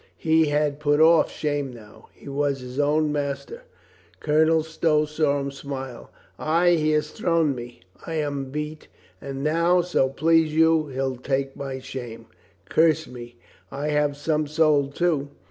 He had put off shame now. He was his own master. Colonel Stow saw him smile. "Ay, he has thrown me. I am beat. And now, so please you, he'd take my shame. ... Curse me, I have some soul, too."